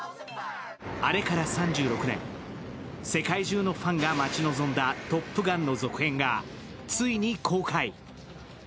あれから３６年、世界中のファンが待ち望んだ「トップガン」の続編がついに公開。